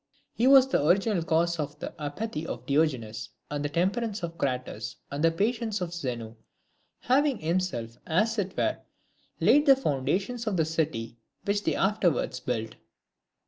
He was the original cause of the apathy of Diogenes, and the temperance of Crates, and the patience of Zeno, having himself, as it were, laid the foundations of the city which they afterwards built.